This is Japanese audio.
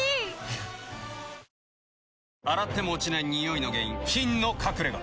え．．．洗っても落ちないニオイの原因菌の隠れ家。